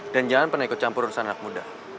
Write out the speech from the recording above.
dan jangan pernah ikut campur urusan anak muda